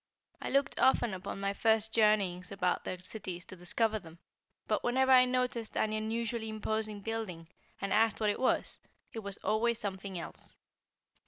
I looked often upon my first journeyings about their cities to discover them, but whenever I noticed an unusually imposing building, and asked what it was, it was always something else.